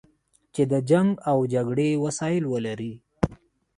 چې د جنګ او جګړې وسایل ولري.